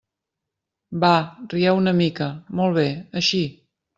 Va, rieu una mica, molt bé, així!